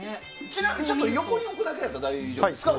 ちなみに横に置くだけやったら大丈夫ですか。